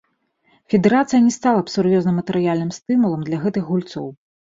Федэрацыя, не сталі б сур'ёзным матэрыяльным стымулам для гэтых гульцоў.